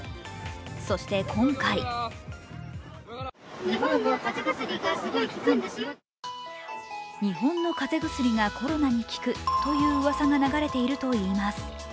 そして今回日本の風邪薬がコロナに効くといううわさが流れているといいます。